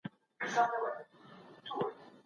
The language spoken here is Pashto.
سود د ټولني اقتصاد خرابوي.